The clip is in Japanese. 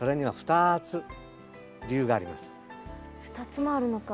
２つもあるのか。